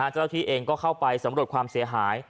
เจ้าที่เองก็เข้าไปสำรวจความเสียหาย